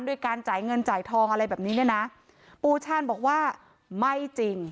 การจ่ายเงินจ่ายทองอะไรแบบนี้เนี่ยนะปูชาญบอกว่าไม่จริง